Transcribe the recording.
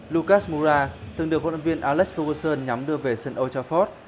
lucas moura từng được quân án viên alex ferguson nhắm đưa về sân old trafford